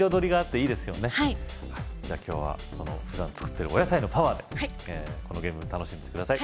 はいじゃあ今日はふだん作ってるお野菜のパワーでこのゲーム楽しんでってください